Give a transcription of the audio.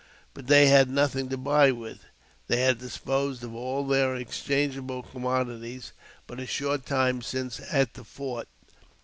But they had nothing to buy with ; they had dis «l pos€)^ of all their exchangeable commodities but a short time '" since at the fort.